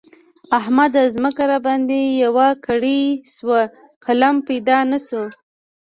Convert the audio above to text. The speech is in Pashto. احمده! ځمکه راباندې يوه کړۍ شوه؛ قلم پيدا نه شو.